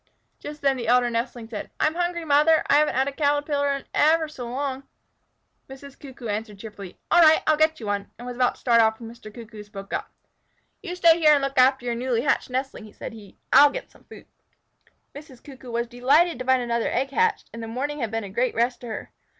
Just then the elder nestling said, "I'm hungry, Mother! I haven't had a Caterpillar in ever so long." Mrs. Cuckoo answered cheerfully, "All right, I'll get you one," and was about to start off when Mr. Cuckoo spoke up: "You stay here and look after your newly hatched nestling," said he. "I'll get some food." Mrs. Cuckoo was delighted to find another egg hatched, and the morning away had been a great rest to her.